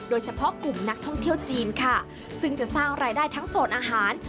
โดยเฉพาะกลุ่มนักท่องเที่ยวจีนค่ะซึ่งจะสร้างรายได้ทั้งโซนอาหาร